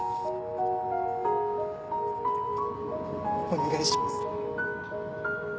お願いします。